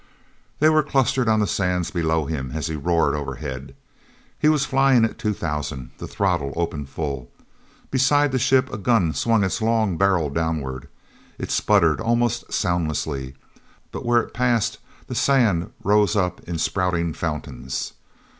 hey were clustered on the sands below him as he roared overhead. He was flying at two thousand, the throttle open full. Beside the ship a gun swung its long barrel downward. It sputtered almost soundlessly—but where it passed, the sand rose up in spouting fountains.